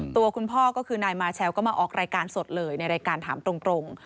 ตัวคุณพ่อก็คือนายมาเชลก็มาออกรายการสดเลยในรายการถามตรง